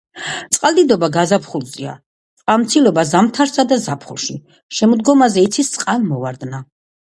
წყალდიდობა გაზაფხულზეა, წყალმცირობა ზამთარსა და ზაფხულში, შემოდგომაზე იცის წყალმოვარდნა.